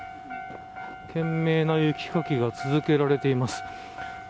懸命な雪かきが続けられています。